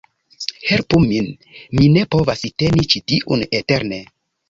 "Helpu min! Mi ne povas teni ĉi tiun eterne"